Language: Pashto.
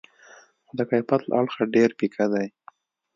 خو د کیفیت له اړخه ډېر پیکه دي.